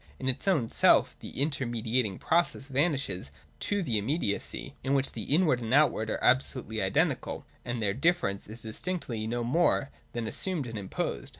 In its own self the intermediating process vanishes to the immediacy, in which the inward and the outward are absolutely identical and their difference is distinctly no more than assumed and imposed.